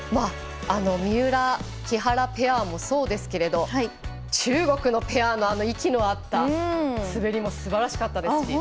三浦、木原ペアもそうですけれど中国のペアの息の合った滑りもすばらしかったですし。